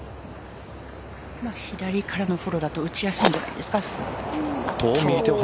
左からのフォローだと打ちやすいんじゃないですか。